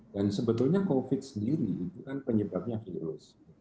dan sebetulnya covid sembilan belas sendiri itu kan penyebabnya virus